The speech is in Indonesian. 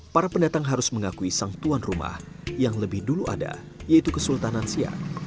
para pendatang harus mengakui sang tuan rumah yang lebih dulu ada yaitu kesultanan siak